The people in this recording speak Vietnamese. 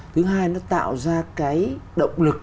thứ hai nó tạo ra cái động lực